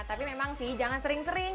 tapi memang sih jangan sering sering